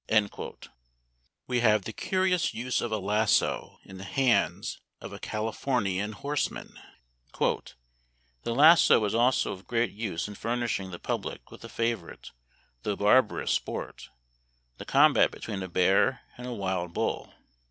" We have a curious use of the lasso in the hands of a Californian horseman :" The lasso is also of great use in furnishing the public with a favorite, though barbarous sport : the combat between a bear and a wild bull.